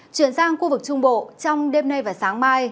chuyển sang khu vực trung bộ trong đêm nay và sáng mai